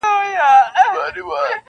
• چي پر سر باندي یې وکتل ښکرونه -